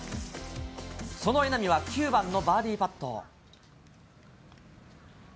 その稲見は９番のバーディーパット。